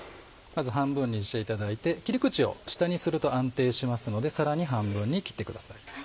まず半分にしていただいて切り口を下にすると安定しますのでさらに半分に切ってください。